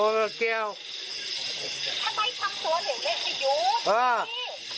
มันไม่เกี่ยวหรอก